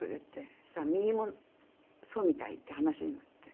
そしたら右もそうみたいって話になって。